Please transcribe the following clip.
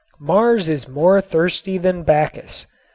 Mars is more thirsty than Bacchus.